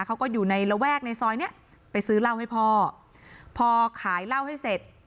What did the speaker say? เขาก็อยู่ในระแวกในซอยเนี้ยไปซื้อเหล้าให้พ่อพอขายเหล้าให้เสร็จ